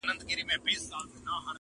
o تر ورخ تېري اوبه بيرته نه را گرځي٫